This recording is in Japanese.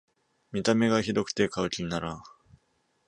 見た目がひどくて買う気にならん